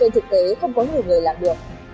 trên thực tế không có nhiều người làm được